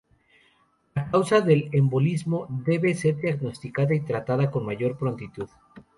La causa del embolismo debe ser diagnosticada y tratada con mayor prontitud.